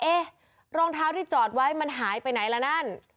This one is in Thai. เอ๊ะรองเท้าที่จอดไว้มันหายไปไหนละนั่น